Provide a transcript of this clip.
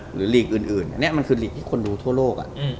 หรือฬีกอื่นนี่คือฬีกที่คนดูทั่วโลก